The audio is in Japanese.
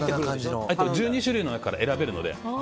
１２種類の中から選べるので。